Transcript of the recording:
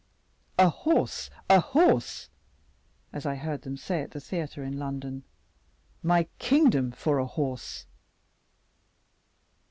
'A horse, a horse,' as I heard them say at the theatre in London, 'my kingdom for a horse!